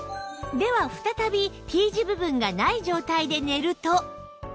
では再び Ｔ 字部分がない状態で寝ると